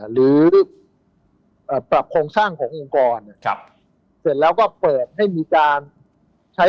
หรือปรับโครงสร้างขององค์กรเสร็จแล้วก็เปิดให้มีการใช้